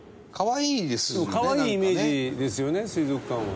可愛いイメージですよね水族館は。